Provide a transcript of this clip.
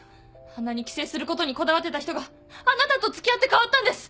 あんなに寄生することにこだわってた人があなたと付き合って変わったんです。